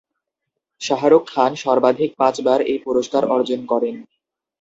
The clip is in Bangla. শাহরুখ খান সর্বাধিক পাঁচবার এই পুরস্কার অর্জন করেন।